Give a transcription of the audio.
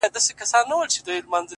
راځه رحچيږه بيا په قهر راته جام دی پير،